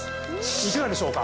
いかがでしょうか？